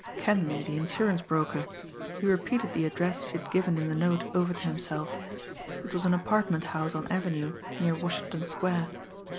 Kenleigh, the insurance broker he repeated the address she had given in the note over to himself. It was an apartment house on Avenue near Washington Square.